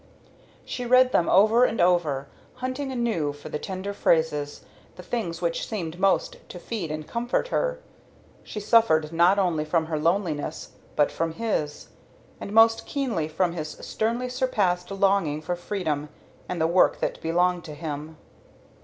She read them over and over, hunting anew for the tender phrases, the things which seemed most to feed and comfort her. She suffered not only from her loneliness, but from his; and most keenly from his sternly suppressed longing for freedom and the work that belonged to him.